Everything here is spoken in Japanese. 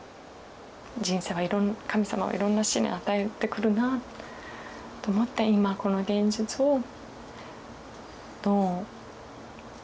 人生は神様はいろんな試練与えてくるなと思って今この現実をどう。